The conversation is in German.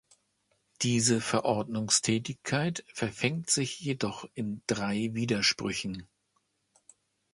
Diese Verordnungstätigkeit verfängt sich jedoch in drei Widersprüchen.